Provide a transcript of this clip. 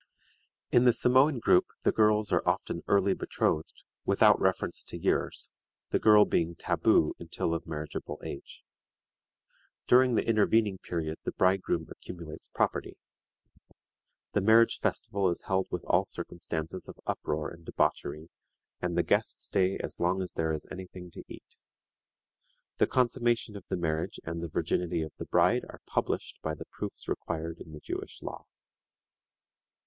In the Samoan group the girls are often early betrothed, without reference to years, the girl being taboo until of marriageable age. During the intervening period the bridegroom accumulates property. The marriage festival is held with all circumstances of uproar and debauchery, and the guests stay as long as there is any thing to eat. The consummation of the marriage and the virginity of the bride are published by the proofs required in the Jewish law.